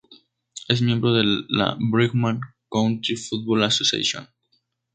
Es miembro de la Birmingham County Football Association.